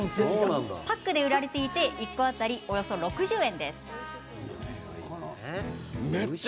パックで売られていて１個当たりおよそ６０円。